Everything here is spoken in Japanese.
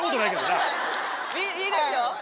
いいですよ。